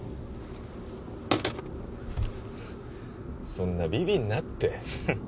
そんなビビんなって。